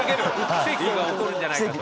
奇跡が起こるんじゃないかと。